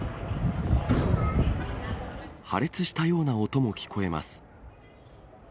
破裂したような音も聞こえます。